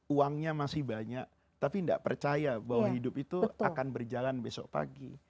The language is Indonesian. uangnya masih banyak tapi tidak percaya bahwa hidup itu akan berjalan besok pagi